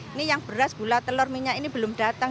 ini yang beras gula telur minyak ini belum datang